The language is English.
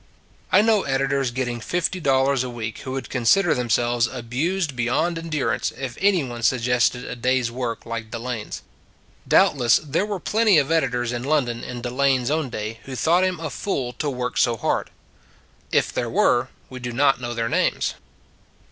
I know editors getting fifty dollars a week who would consider themselves abused beyond endurance if any one sug gested a day s work like Delane s. Doubtless there were plenty of editors in London in Delane s own day who thought him a fool to work so hard. // there were, we do not know their names.